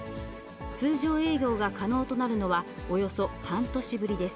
通常営業が可能となるのは、およそ半年ぶりです。